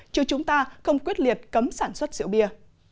chứ chúng ta không quyết liệt cấm sản xuất rượu bia